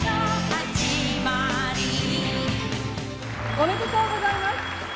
おめでとうございます。